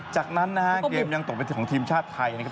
จากนั้นนะฮะเกมยังตกเป็นของทีมชาติไทยนะครับ